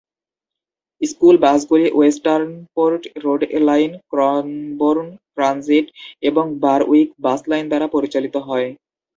School বাসগুলি Westernport road line, Cranbourne transit এবং Berwick bus line দ্বারা পরিচালিত হয়।